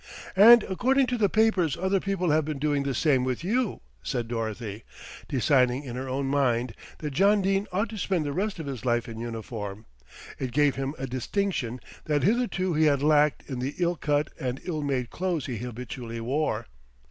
"And according to the papers other people have been doing the same with you," said Dorothy, deciding in her own mind that John Dene ought to spend the rest of his life in uniform. It gave him a distinction that hitherto he had lacked in the ill cut and ill made clothes he habitually wore.